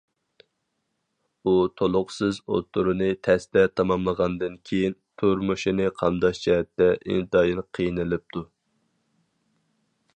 ئۇ تولۇقسىز ئوتتۇرىنى تەستە تاماملىغاندىن كېيىن، تۇرمۇشىنى قامداش جەھەتتە ئىنتايىن قىينىلىپتۇ.